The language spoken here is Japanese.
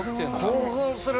興奮する！